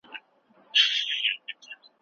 موږ بايد خپل صحت وساتو.